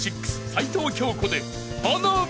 齊藤京子で『花火』］